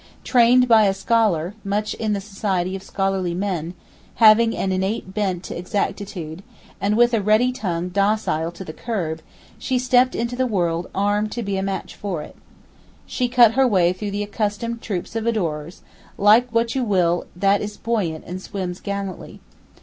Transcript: Trained by a scholar, much in the society of scholarly men, having an innate bent to exactitude, and with a ready tongue docile to the curb, she stepped into the world armed to be a match for it. She cut her way through the accustomed troops of adorers, like what you will that is buoyant and swims gallantly.